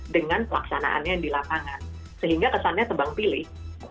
dengan pelaksanaannya di lapangan sehingga kesannya tebang pilih